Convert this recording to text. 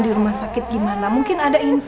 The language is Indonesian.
di rumah sakit gimana mungkin ada